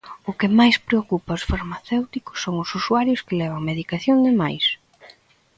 O que máis preocupa os farmacéuticos son os usuarios que levan medicación de máis.